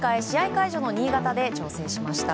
会場の新潟で調整しました。